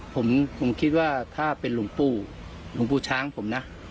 ผมคิดว่าถ้าเป็นหลวงปู่หลวงปู่ช้างผมนะ